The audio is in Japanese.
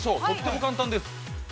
とっても簡単です。